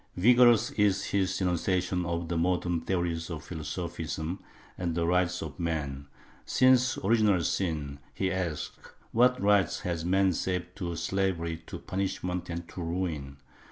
Vigorous is his denunciation of the modern theories of philoso phism and the rights of man — since original sin, he asks, what rights has man save to slavery, to punishment, to ruin?